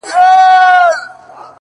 • ما یې خالي انګړ ته وکړل سلامونه,